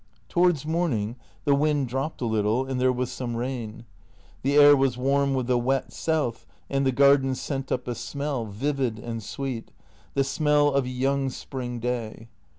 Towards morning the wind dropped a little and there was some rain. The air was warm with the wet south, and the gar den sent up a smell, vivid and sweet, the smell of a young spring day.